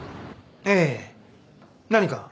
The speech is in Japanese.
ええ。何か？